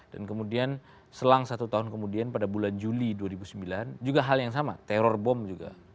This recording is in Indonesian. dan kemudian selang satu tahun kemudian pada bulan juli dua ribu sembilan juga hal yang sama teror bom juga